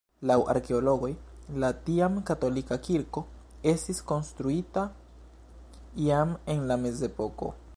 Laŭ arkeologoj la tiam katolika kirko estis konstruita iam en la mezepoko.